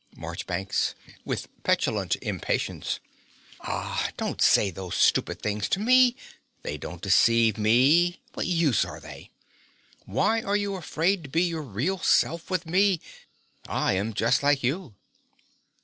MARCHBANKS (with petulant impatience). Ah, don't say those stupid things to me: they don't deceive me: what use are they? Why are you afraid to be your real self with me? I am just like you.